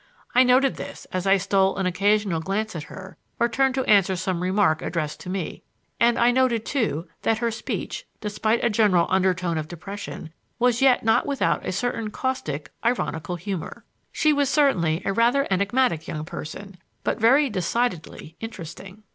I noted this as I stole an occasional glance at her or turned to answer some remark addressed to me; and I noted, too, that her speech, despite a general undertone of depression, was yet not without a certain caustic, ironical humor. She was certainly a rather enigmatical young person, but very decidedly interesting.